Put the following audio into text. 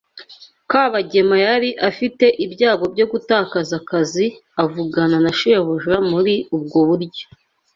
Kabagema yari afite ibyago byo gutakaza akazi avugana na shebuja muri ubwo buryo.